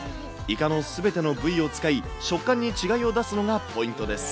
イカのすべての部位を使い、食感に違いを出すのがポイントです。